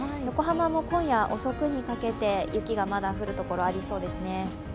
横浜も今夜遅くにかけて雪がまだ降る所がありそうですね。